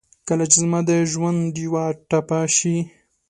کله چې زما دژوندډېوه ټپه شي